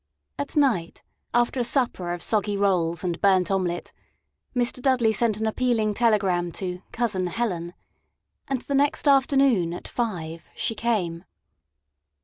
At night, after a supper of soggy rolls and burnt omelet, Mr. Dudley sent an appealing telegram to "Cousin Helen"; and the next afternoon, at five, she came.